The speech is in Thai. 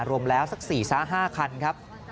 รวมแล้วสัก๔๕คันครับ